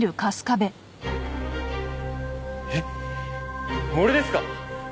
えっ俺ですか？